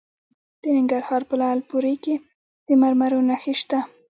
د ننګرهار په لعل پورې کې د مرمرو نښې شته.